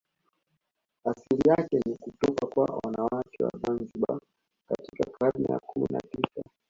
Asili yake ni kutoka kwa wanawake wa Zanzibar katika karne ya kumi na tisa